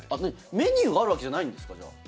メニューがあるわけじゃないんですか？